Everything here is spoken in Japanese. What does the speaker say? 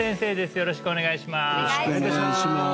よろしくお願いします